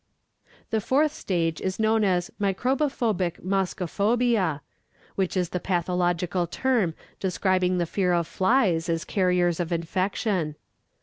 The fourth stage is known as microbophobic moscophobia, which is the pathological term describing the fear of flies as carriers of infection.